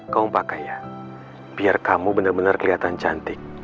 kamu pakai ya biar kamu benar benar kelihatan cantik